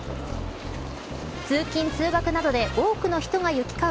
通勤、通学などで多くの人が行き交う